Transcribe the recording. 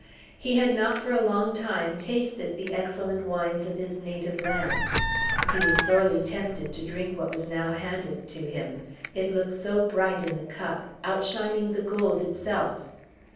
He had not for a long time tasted the excellent wines of his native land; he was sorely tempted to drink what was now handed to him, it looked so bright in the cup, outshining the gold itself.